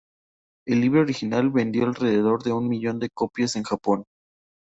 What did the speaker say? El libro original vendió alrededor de un millón de copias en Japón.